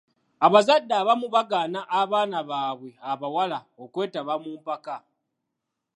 Abazadde abamu bagaana abaana baabwe abawala okwetaba mu mpaka.